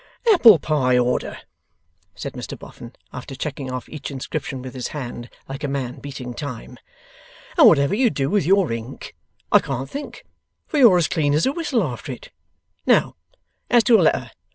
'Apple pie order!' said Mr Boffin, after checking off each inscription with his hand, like a man beating time. 'And whatever you do with your ink, I can't think, for you're as clean as a whistle after it. Now, as to a letter.